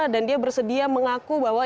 dan dia bersedia mengaku bahwa